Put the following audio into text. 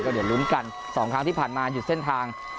เดี๋ยวลุ้นกัน๒ครั้งที่ผ่านมาหยุดเส้นทาง